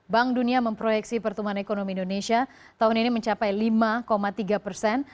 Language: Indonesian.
bank dunia memproyeksi pertumbuhan ekonomi indonesia tahun ini mencapai lima tiga persen